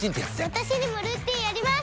私にもルーティンあります！